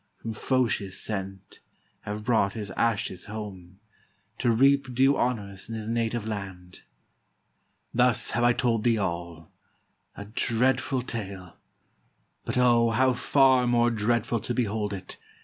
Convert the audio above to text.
From Phocis sent, have brought his ashes home, To reap due honors in his native land. Thus have I told thee all; a dreadful tale! But, O! how far more dreadful to behold it.